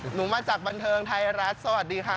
หนูมาจากบันเทิงไทยรัฐสวัสดีค่ะ